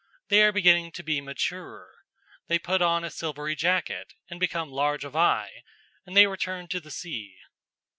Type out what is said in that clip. They are beginning to be mature. They put on a silvery jacket and become large of eye, and they return to the sea.